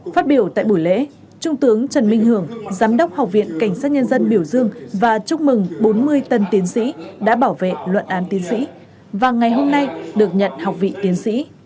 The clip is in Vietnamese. phát biểu tại buổi lễ trung tướng trần minh hưởng giám đốc học viện cảnh sát nhân dân biểu dương và chúc mừng bốn mươi tân tiến sĩ đã bảo vệ luận án tiến sĩ và ngày hôm nay được nhận học vị tiến sĩ